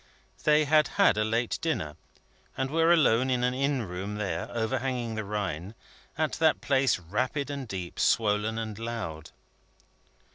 They had had a late dinner, and were alone in an inn room there, overhanging the Rhine: at that place rapid and deep, swollen and loud.